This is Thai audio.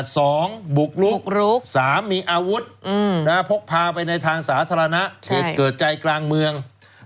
สองบุกลุกสามมีอาวุธพกพาไปในทางสาธารณะเกิดใจกลางเมือง